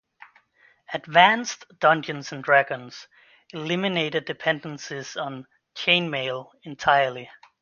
"Advanced Dungeons and Dragons" eliminated dependencies on "Chainmail" entirely.